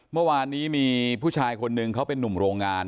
เมื่อวานนี้มีผู้ชายคนหนึ่งเขาเป็นนุ่มโรงงาน